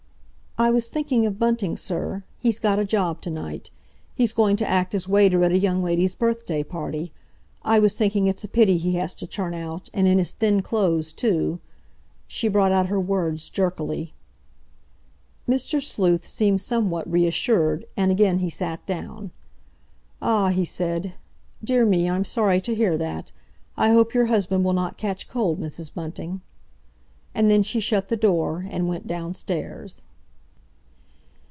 "I was thinking of Bunting, sir. He's got a job to night. He's going to act as waiter at a young lady's birthday party. I was thinking it's a pity he has to turn out, and in his thin clothes, too"—she brought out her words jerkily. Mr. Sleuth seemed somewhat reassured, and again he sat down. "Ah!" he said. "Dear me—I'm sorry to hear that! I hope your husband will not catch cold, Mrs. Bunting." And then she shut the door, and went downstairs.